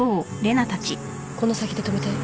この先で止めて。